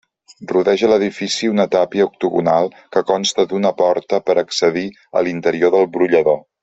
Rodeja l'edifici una tàpia octogonal, que consta d'una porta per a accedir a l'interior del brollador.